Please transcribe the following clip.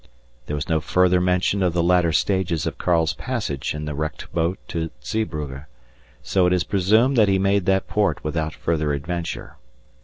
There is no further mention of the latter stages of Karl's passage in the wrecked boat to Zeebrugge, so it is presumed that he made that port without further adventure.